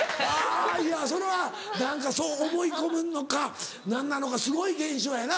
いやそれは何かそう思い込むのか何なのかすごい現象やな。